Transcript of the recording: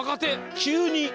急に。